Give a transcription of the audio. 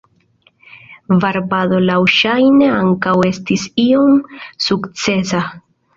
Varbado laŭŝajne ankaŭ estis iom sukcesa.